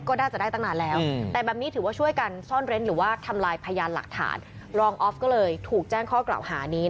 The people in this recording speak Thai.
ก็ใดจะได้ตั้งนานแล้ว